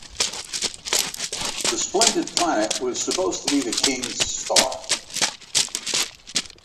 The splendid planet was supposed to be the king's star.